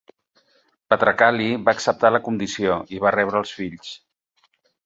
Patrakali va acceptar la condició i va rebre els fills.